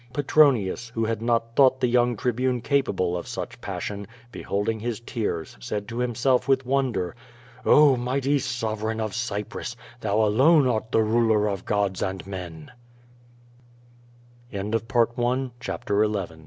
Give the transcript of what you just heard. Petronius, who had not thought the young Tribune capable of such passion, beholding his tears, said to himself with wonder: *^0h, mighty sovereign of Cyprus, thou alone art the ruler of gods a